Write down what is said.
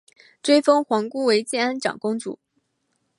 追封皇姑为建安长公主。